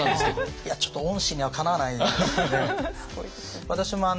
いやちょっと御師にはかなわないですね。